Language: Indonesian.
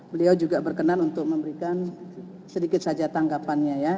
beliau juga berkenan untuk memberikan sedikit saja tanggapannya ya